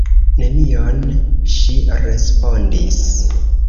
"Nenion," ŝi respondis.